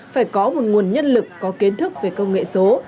phải có một nguồn nhân lực có kiến thức về công nghệ số